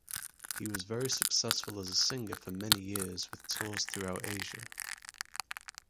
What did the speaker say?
He was very successful as a singer for many years with tours throughout Asia.